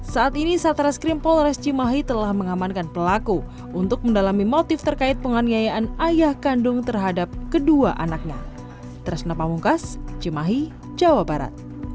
saat ini satreskrim polres cimahi telah mengamankan pelaku untuk mendalami motif terkait penganiayaan ayah kandung terhadap kedua anaknya